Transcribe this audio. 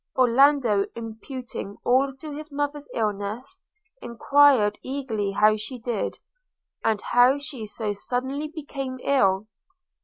Orlando, imputing all to his mother's illness, enquired eagerly how she did, and how she so suddenly became ill?